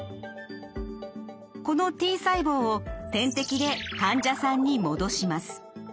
このＴ細胞を点滴で患者さんに戻します。